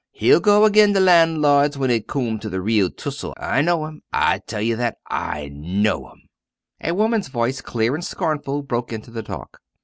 He_ go agen the landlords when it coom to the real toossle, I know 'em I tell tha I know 'em!" A woman's voice, clear and scornful, broke into the talk.